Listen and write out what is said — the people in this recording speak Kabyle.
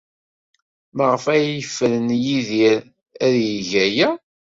Maɣef ay yefren Yidir ad yeg aya?